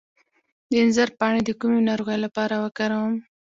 د انځر پاڼې د کومې ناروغۍ لپاره وکاروم؟